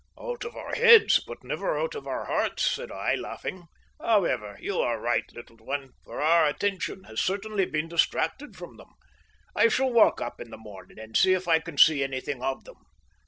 "Out of our heads, but never out of our hearts," said I, laughing. "However, you are right, little one, for our attention has certainly been distracted from them. I shall walk up in the morning and see if I can see anything of them.